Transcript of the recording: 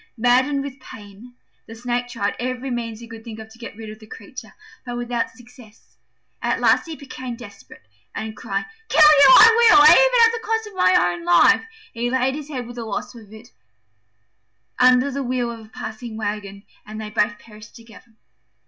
Maddened with pain the Snake tried every means he could think of to get rid of the creature, but without success. At last he became desperate, and crying, "Kill you I will, even at the cost of my own life," he laid his head with the Wasp on it under the wheel of a passing waggon, and they both perished together.